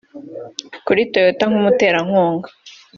Kuri Toyota nk’umuterankunga